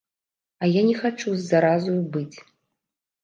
А я не хачу з заразаю быць.